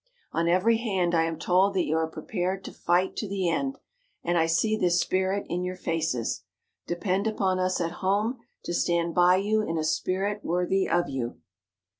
"On every hand I am told that you are prepared to fight 'to the end,' and I see this spirit in your faces. Depend upon us at home to stand by you in a spirit worthy of you."